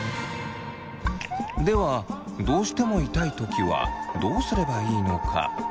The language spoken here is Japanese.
ではどうしても痛い時はどうすればいいのか？